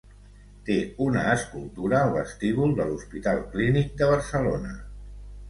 Té una escultura al vestíbul de l'Hospital Clínic de Barcelona.